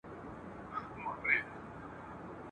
ځوانان د خپل وطن د ساتني لپاره قرباني ورکوي.